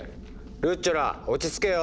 ルッチョラ落ち着けよ！